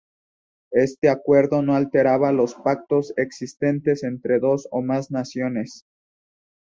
Este acuerdo no alteraba los pactos existentes entre dos o más naciones.